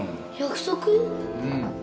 うん。